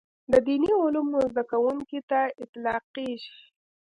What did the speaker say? د دیني علومو زده کوونکي ته اطلاقېږي.